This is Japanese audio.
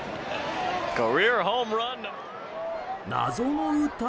謎の歌？